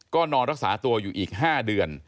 ก็นอนรักษาตัวอยู่อีก๕เดือน